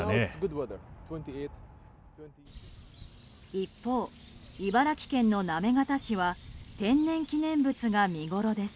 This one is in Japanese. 一方、茨城県の行方市は天然記念物が見ごろです。